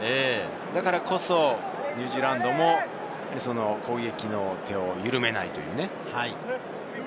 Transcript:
だからこそニュージーランドも攻撃の手を緩めない。